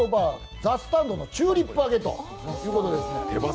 ＴＨＥＳＴＡＮＤのチューリップ揚げということですね。